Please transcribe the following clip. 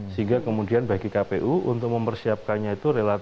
sehingga kemudian bagi kpu untuk mempersiapkannya itu harus dihubungkan